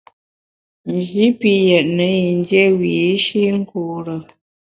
Nji pi yètne yin dié wiyi’shi nkure.